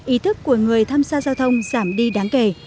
ý thức của người tham gia giao thông giảm đi đáng kể